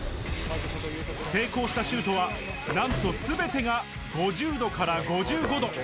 成功したシュートは、なんとすべてが５０度から５５度。